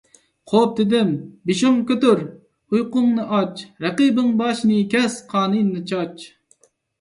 قوپ! دېدىم، بېشىڭ كۆتۈر! ئۇيقۇڭنى ئاچ! رەقىبىڭ باشىنى كەس، قانىنى چاچ!